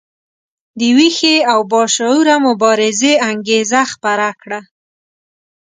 د ویښې او باشعوره مبارزې انګیزه خپره کړه.